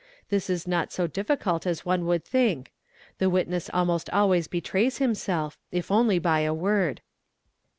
This is not so. difficult as one would think; the witness almost always betrays him self, if only by a word.